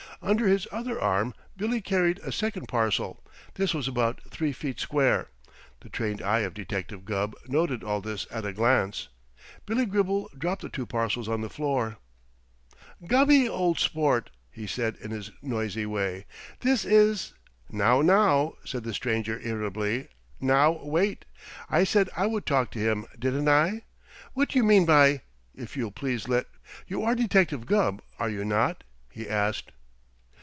Under his other arm, Billy carried a second parcel. This was about three feet square. The trained eye of Detective Gubb noted all this at a glance. Billy Gribble dropped the two parcels on the floor. "Gubby, old sport!" he said in his noisy way, "this is " "Now, now!" said the stranger irritably. "Now, wait! I said I would talk to him, didn't I? What do you mean by if you'll please let you are Detective Gubb, are you not?" he asked.